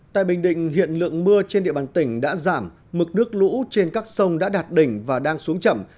tại bình định hiện lượng mưa trên địa bàn tỉnh đã giảm mực nước lũ trên các sông đã đạt đỉnh và đang xuống chậm